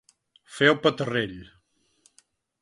Fer el petarrell.